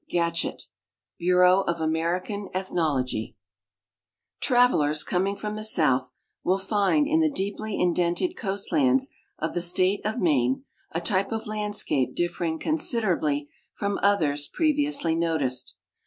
Gatschet, Bureau of American Ethnology Travelers coming from the south will find in the deeply in dented coast lands of the state of Maine a type of landscape differing considerably from others previousl}' noticed.